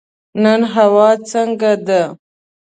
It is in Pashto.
نن هوا څنګه ده؟